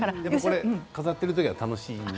飾っている時は楽しいもの？